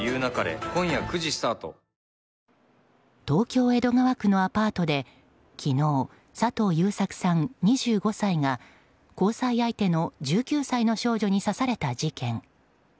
東京・江戸川区のアパートで昨日、佐藤優作さん、２５歳が交際相手の１９歳の少女に刺された事件。